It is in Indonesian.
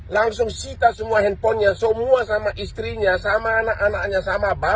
langsung sita semua handphonenya semua sama istrinya sama anak anaknya sama pak